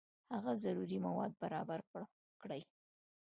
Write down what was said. هغه ضروري مواد برابر کړي.